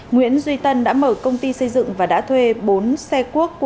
nguyễn duy tân đã mở công ty xây dựng và đã thuê bốn xe cuốc của một cá nhân